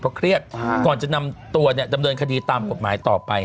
เพราะเครียดก่อนจะนำตัวเนี่ยดำเนินคดีตามกฎหมายต่อไป